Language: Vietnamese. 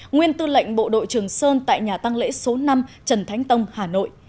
nguyên tư lệnh bộ đội trường sơn tại nhà tăng lễ số năm trần thánh tông hà nội